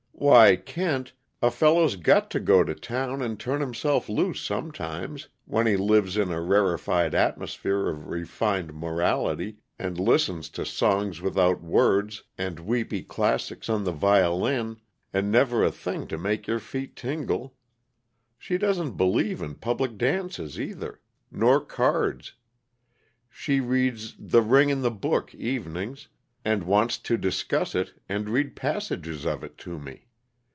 "Why, Kent, a fellow's got to go to town and turn himself loose sometimes, when he lives in a rarified atmosphere of refined morality, and listens to Songs Without Words and weepy classics on the violin, and never a thing to make your feet tingle. She doesn't believe in public dances, either. Nor cards. She reads 'The Ring and the Book' evenings, and wants to discuss it and read passages of it to me.